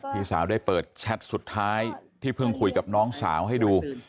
พี่สาวได้เปิดแชทสุดท้ายที่เพิ่งคุยกับน้องสาวให้ดู